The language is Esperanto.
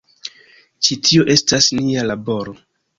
Ĉi tio estas nia laboro.